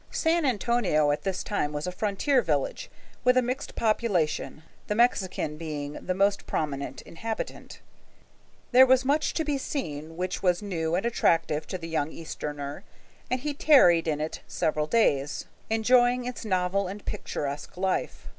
San Antonio at this time was a frontier village, with a mixed population, the Mexican being the most prominent inhabitant. There was much to be seen which was new and attractive to the young Easterner, and he tarried in it several days, enjoying its novel and picturesque life.